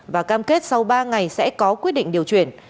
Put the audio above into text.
và cam kết sau ba ngày sẽ có quyết định điều chuyển